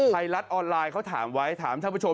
ไทยรัฐออนไลน์เขาถามไว้ถามท่านผู้ชม